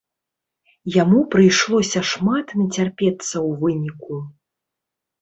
Яму прыйшлося шмат нацярпецца ў выніку.